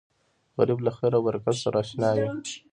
غریب له خیر او برکت سره اشنا وي